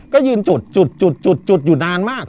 ก็ยืนจุดจุดจุดจุดจุดอยู่นานมาก